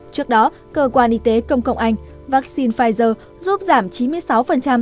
trước đó cơ quan y tế công cộng anh vaccine pfizer giúp giảm chín mươi sáu tỷ lệ nhiễm